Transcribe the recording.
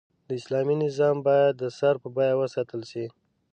د اسلامي نظام بايد د سر په بيه وساتل شي